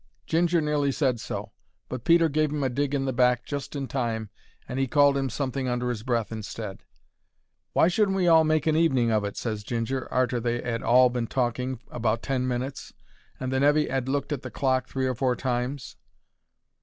Ginger nearly said so, but Peter gave 'im a dig in the back just in time and 'e called him something under 'is breath instead. "Why shouldn't we all make an evening of it?" ses Ginger, arter they 'ad been talking for about ten minutes, and the nevy 'ad looked at the clock three or four times.